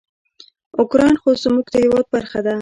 اوکراین خو زموږ د هیواد برخه ده.